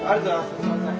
すいません！